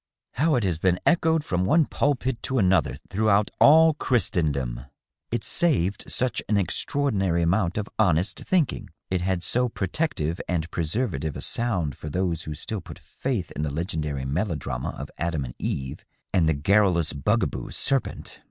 How it DOUGLAS DUANE, 559 has been echoed from one pulpit to another throughout all Christendom ! It saved such an extraordinary amount of honest thinking ! It had so protective and preservative a sound for those who still put faith in the legendary melodrama of Adam and Eve and the garrulous, bugaboo serpent